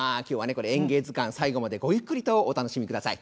これ「演芸図鑑」最後までごゆっくりとお楽しみください。